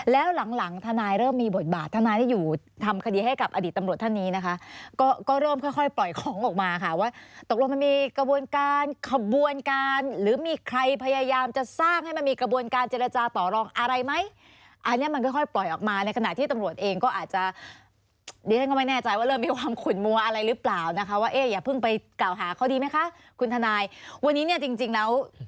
แล้วหลังทนายเริ่มมีบทบาททนายได้อยู่ทำคดีให้กับอดีตตำรวจท่านนี้นะคะก็เริ่มค่อยปล่อยของออกมาค่ะว่าตกลงมันมีกระบวนการขบวนการหรือมีใครพยายามจะสร้างให้มันมีกระบวนการเจรจาต่อรองอะไรไหมอันนี้มันค่อยปล่อยออกมาในขณะที่ตำรวจเองก็อาจจะดิฉันก็ไม่แน่ใจว่าเริ่มมีความขุนมัวอะไรหรื